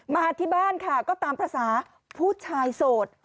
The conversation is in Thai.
มาที่บ้านค่ะก็ตามภาษาผู้ชายโสด